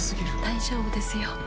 大丈夫ですよ。